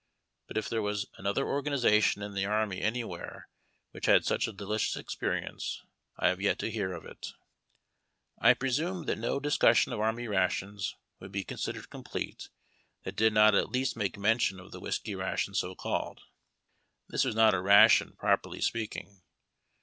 But if there was another organization in the army anywhere which had such a delicious experience, 1 have yet to hear of it. I })resume that no discussion of army rations would be considered complete that did not at least make mention of the whiskey ration so called. This was not a ration, prop erly speaking.